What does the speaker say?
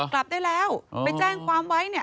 กลับได้แล้วไปแจ้งความไว้เนี่ย